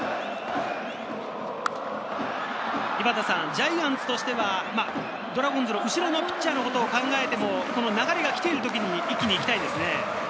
ジャイアンツとしてはドラゴンズの後ろのピッチャーのことを考えても、流れが来ている時に一気に行きたいですよね。